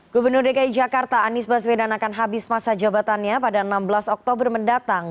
gubernur dki jakarta anies baswedan akan habis masa jabatannya pada enam belas oktober mendatang